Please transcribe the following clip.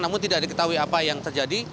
namun tidak diketahui apa yang terjadi